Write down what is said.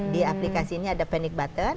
di aplikasi ini ada panic button